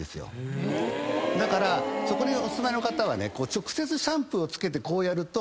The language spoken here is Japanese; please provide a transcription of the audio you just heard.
だからそこにお住まいの方は。